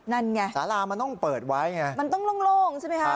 นั่นไงสารามันต้องเปิดไว้ไงมันต้องโล่งใช่ไหมคะ